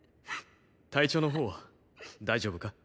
体調の方は大丈夫か？